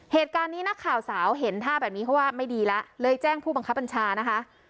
เหตุการณ์นี้นักข่าวสาวเห็นท่าแบบนี้เขาว่าไม่ดีแล้วเลยแจ้งผู้บังคับบัญชานะคะ